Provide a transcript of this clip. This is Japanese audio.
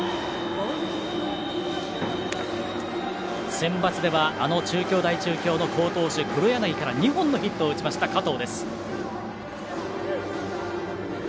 センバツではあの中京大中京の好投手黒柳から２本のヒットを打ちました加藤。